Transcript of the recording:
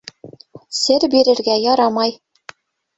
Сер бирергә ярамай.